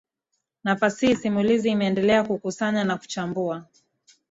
na fasihi simulizi Imeendelea kukusanya na kuchambua